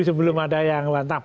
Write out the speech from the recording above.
sebelum ada yang bantah